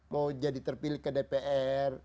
mau jadi terpilih ke dpr